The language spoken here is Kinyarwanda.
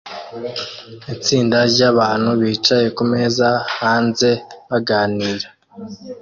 Itsinda ryabantu bicaye kumeza hanze baganira